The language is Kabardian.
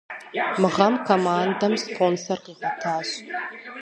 Мы гъэм командэм спонсор къигъуэтащ.